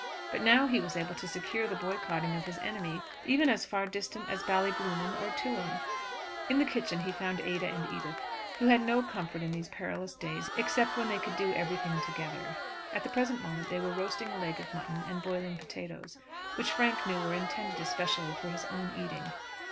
But now he was able to secure the boycotting of his enemy even as far distant as Ballyglunin or Tuam. In the kitchen he found Ada and Edith, who had no comfort in these perilous days except when they could do everything together. At the present moment they were roasting a leg of mutton and boiling potatoes, which Frank knew were intended especially for his own eating.